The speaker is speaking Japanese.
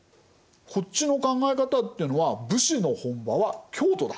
こっちの考え方っていうのは武士の本場は京都だ。